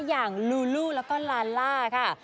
อย่างลูลูแล้วก็ลาล่าค่ะ